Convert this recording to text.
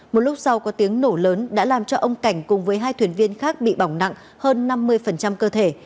một lúc sau có tiếng nổ lớn đã làm cho ông cảnh cùng với hai thuyền viên khác bị bỏng nặng hơn năm mươi cơ thể